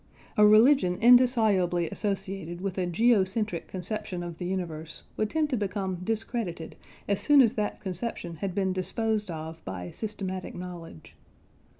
A religion indissolubly associated with a geocentric conception of the universe would tend to become discredited as soon as that conception had been disposed of by "systematic knowledge."